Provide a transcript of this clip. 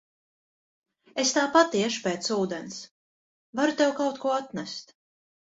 Es tāpat iešu pēc ūdens, varu tev kaut ko atnest.